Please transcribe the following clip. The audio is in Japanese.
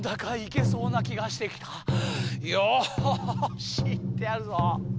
よしいってやるぞ。